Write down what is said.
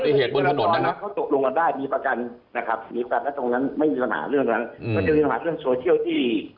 ไม่ได้ควบคุมนะครับเป็นการผลัดฟ้องเพราะเข้ามารับแจ้งข้อเกาหาด้วยตัวเอง